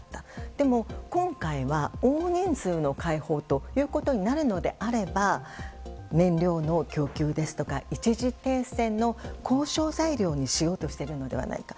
でも、今回は大人数の解放となるのであれば燃料供給ですとか一時停戦の交渉材料にしようとしているのではないか。